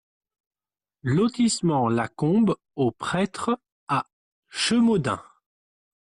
Lotissement la Combe au Prêtre à Chemaudin